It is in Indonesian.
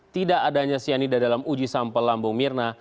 tidak adanya cyanida dalam uji sampel lambung mirna